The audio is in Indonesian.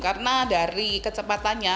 karena dari kecepatannya